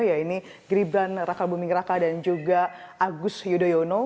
ya ini gibran rakebuming raka dan juga agus yudhoyono